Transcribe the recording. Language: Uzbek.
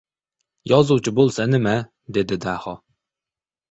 — Yozuvchi bo‘lsa nima? — dedi Daho.